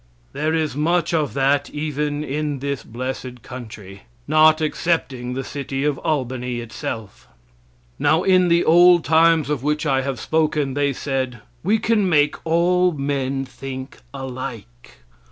There is much of that even in this blessed country not excepting the city of Albany itself. Now in the old times of which I have spoken, they said, "We can make all men think alike."